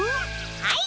はい。